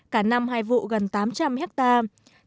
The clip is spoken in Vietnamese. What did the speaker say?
cả năm hai vụ gần tám trăm linh hectare